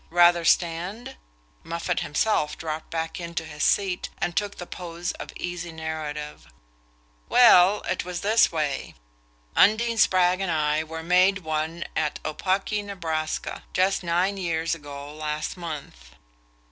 "Rather stand?..." Moffatt himself dropped back into his seat and took the pose of easy narrative. "Well, it was this way. Undine Spragg and I were made one at Opake, Nebraska, just nine years ago last month.